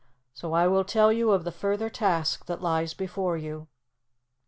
So I will tell you of the further task that lies before you.